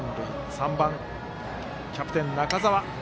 ３番、キャプテン中澤。